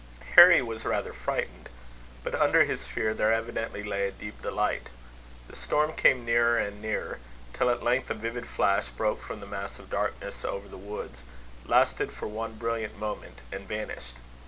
Harry was rather frightened; but under his fear, there evidently lay a deep delight. The storm came nearer and nearer; till at length a vivid flash broke from the mass of darkness over the woods, lasted for one brilliant moment, and vanished.